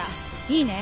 いいね？